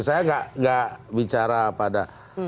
saya nggak bicara pada